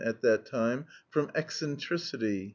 "at that time, from eccentricity.